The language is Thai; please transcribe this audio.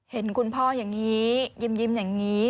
เห็นคุณพ่ออย่างนี้ยิ้มอย่างนี้